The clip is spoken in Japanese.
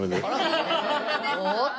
おっと？